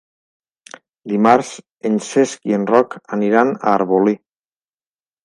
Dimarts en Cesc i en Roc aniran a Arbolí.